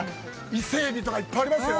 イセエビとかいっぱいありますよ。